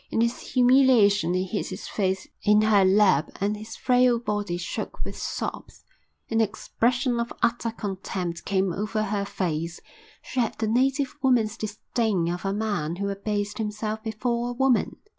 In his humiliation he hid his face in her lap and his frail body shook with sobs. An expression of utter contempt came over her face. She had the native woman's disdain of a man who abased himself before a woman.